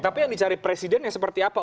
tapi yang dicari presidennya seperti apa